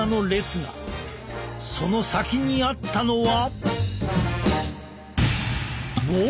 その先にあったのは。